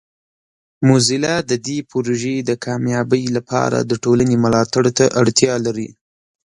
موزیلا د دې پروژې د کامیابۍ لپاره د ټولنې ملاتړ ته اړتیا لري.